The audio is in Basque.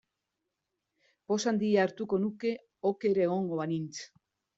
Poz handia hartuko nuke oker egongo banintz.